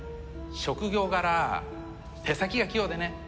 職業柄手先が器用でね。